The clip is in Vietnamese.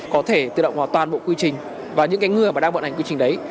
có thể tiêu động hóa toàn bộ quy trình và những cái người mà đang vận hành quy trình đấy